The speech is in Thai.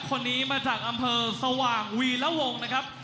คนนี้มาจากอำเภอสว่างวีระวงนะครับ